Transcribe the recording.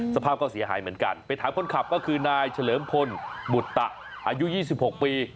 สภาพก็เสียหายเหมือนกันไปถามคนขับก็คือนายเฉลิมพลบุตตะอายุ๒๖ปี